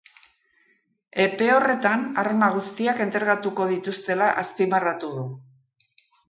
Epe horretan arma guztiak entregatuko dituztela azpimarratu du.